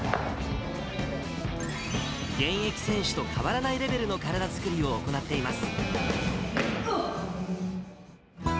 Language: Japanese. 現役選手と変わらないレベルの体作りを行っています。